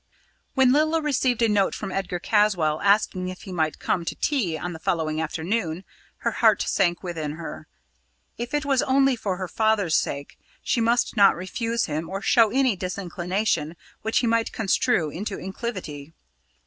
When Lilla received a note from Edgar Caswall asking if he might come to tea on the following afternoon, her heart sank within her. If it was only for her father's sake, she must not refuse him or show any disinclination which he might construe into incivility.